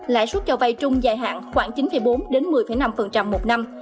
lãi suất cho vay trung dài hạn khoảng chín bốn đến một mươi năm một năm